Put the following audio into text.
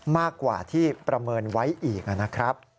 มากกว่าที่ประเมินไว้อีกนะครับ